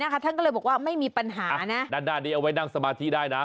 ท่านก็เลยบอกว่าไม่มีปัญหาด้านหน้านี้เอาไว้นั่งสมาธิได้นะ